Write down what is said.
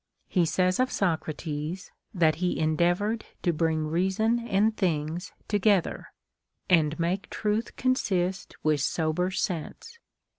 He says of Socrates, that he endeavored to bring reason and things together, and make truth consist with sober sense.